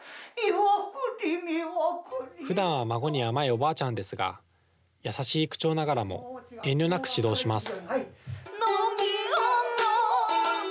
おばあちゃんですが、優しい口調ながらも、遠慮なく指導します。